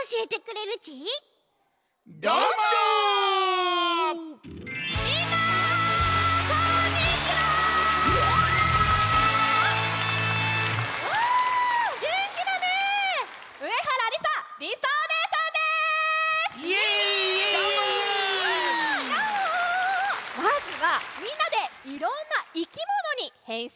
まずはみんなでいろんないきものにへんしんしちゃいましょう。